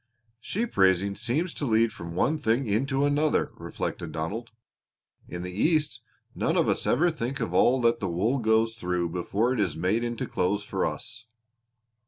"Sheep raising seems to lead from one thing into another," reflected Donald. "In the East none of us ever think of all that the wool goes through before it is made into clothes for us."